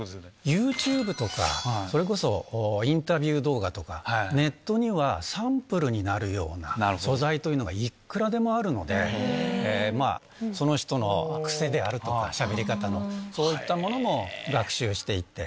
ユーチューブとか、それこそインタビュー動画とか、ネットにはサンプルになるような素材というのがいくらでもあるので、その人の癖であるとか、しゃべり方の、そういったものも学習していって。